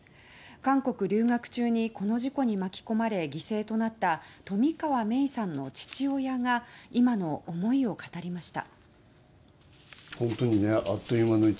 韓国留学中にこの事故に巻き込まれ犠牲となった冨川芽生さんの父親が今の思いを語りました。